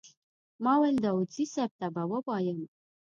ما ویل داوودزي صیب ته به ووایم.